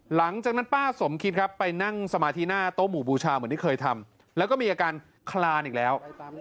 หลังจากนั้นป้าสมคิดครับไปนั่งสมาธิหน้าโต๊ะหมู่บูชาเหมือนที่เคยทำแล้วก็มีอาการคลานอีกแล้ว